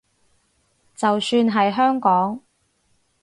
就算係香港